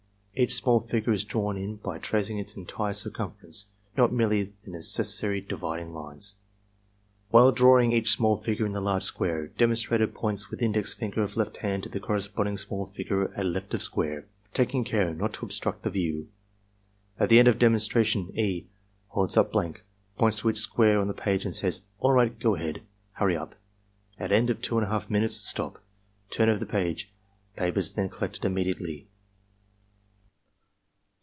Each small figure is drawn in by tracing its entire circumference, not merely the necessary dividing lines. . While 88 ARMY MENTAL TESTS drawing each small figure in the large square, demonstrator points with index finger of left hand to the corresponding small figure at left of square, taking care not to obstruct the view. At the end of demonstration E. holds up blank, points to each square on the page and says, "All right. Go ahead. Hurry up!" At end of 2^/2 minutes, "Stop! Turn over the page.'' Papers are then collected immediately.